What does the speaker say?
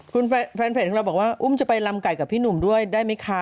คุณแฟนเพจของเราบอกว่าอุ้มจะไปลำไก่กับพี่หนุ่มด้วยได้ไหมคะ